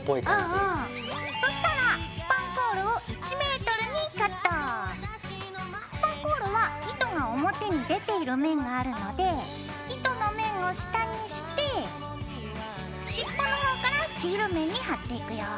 そしたらスパンコールは糸が表に出ている面があるので糸の面を下にして尻尾のほうからシール面に貼っていくよ。